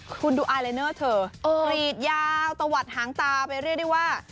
คุณดูไอลายเนอร์เธอกรีดยาวตะวัดหางตาไปเรียกได้ว่า